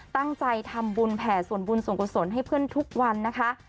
ตั้งใจทำบุญแผ่ส่วนบุญส่วนกุศลให้เพื่อนทุกวันนะคะ